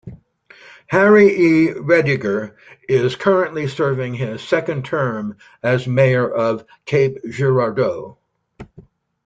Harry E. Rediger is currently serving his second term as Mayor of Cape Girardeau.